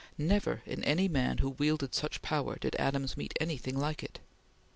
Never, in any man who wielded such power, did Adams meet anything like it.